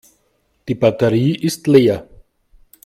Die Batterie ist leer.